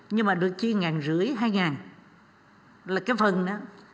nhưng mà được chia một năm trăm linh hai là cái phần đó